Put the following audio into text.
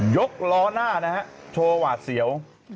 กล้อหน้านะฮะโชว์หวาดเสียว